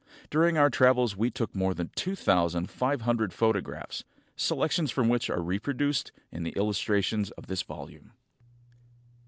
During our travels we took more than two thousand five hundred photographs, selections from which are reproduced in the illustrations of this volume.